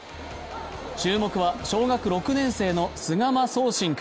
注目は小学６年生の菅間奏心君。